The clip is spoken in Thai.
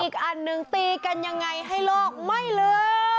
อีกอันหนึ่งตีกันยังไงให้โลกไม่ลืม